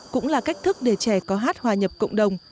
cũng là cách thức để trẻ có hát hòa nhập cộng đồng